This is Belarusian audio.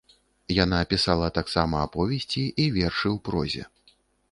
Яна пісала таксама аповесці і вершы ў прозе.